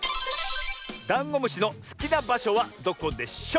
ダンゴムシのすきなばしょはどこでしょう？